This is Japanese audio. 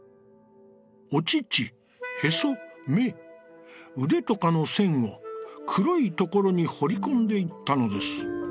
お乳臍眼腕とかの線を黒いところにほりこんでいったのです。